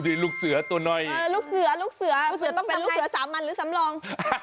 ต้องเป็นลูกเสือสามัญหรือสำหรอง